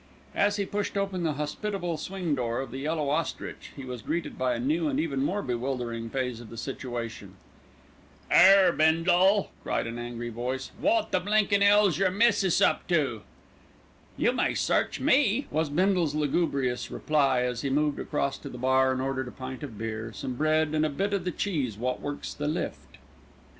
As he pushed open the hospitable swing door of The Yellow Ostrich, he was greeted by a new and even more bewildering phase of the situation. "'Ere, Bindle," cried an angry voice, "wot the blinkin' 'ell's your missis up to?" "You may search me," was Bindle's lugubrious reply, as he moved across to the bar and ordered a pint of beer, some bread, and "a bit o' the cheese wot works the lift."